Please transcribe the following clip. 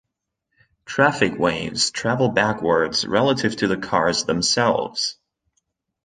Traffic waves travel backwards relative to the cars themselves.